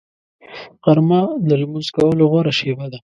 غرمه د لمونځ کولو غوره شېبه ده